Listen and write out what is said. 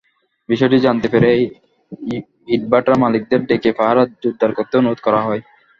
বিষয়টি জানতে পেরে ইটভাটার মালিকদের ডেকে পাহারা জোরদার করতে অনুরোধ করা হয়।